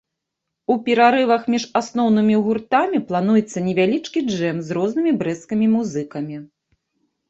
У перарывах паміж асноўнымі гуртамі плануецца невялічкі джэм з рознымі брэсцкімі музыкамі.